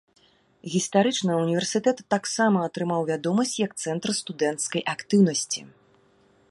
Гістарычна ўніверсітэт таксама атрымаў вядомасць як цэнтр студэнцкай актыўнасці.